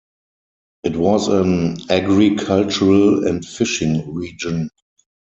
It was an agricultural and fishing region.